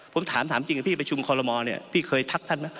ผมถามจริงกับพี่ก็อะแต่ชุมขอรรมณ์เนี้ยพี่เคยทักท่านมั้ย